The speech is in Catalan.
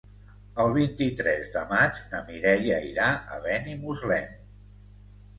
El vint-i-tres de maig na Mireia irà a Benimuslem.